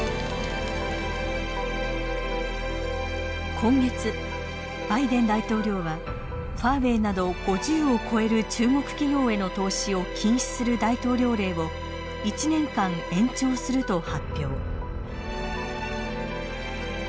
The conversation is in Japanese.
今月バイデン大統領はファーウェイなど５０を超える中国企業への投資を禁止する大統領令を１年間延長すると発表。